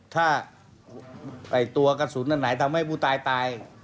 ถ้าตัวกระสุนอันไหนทำให้ผู้ตายตาย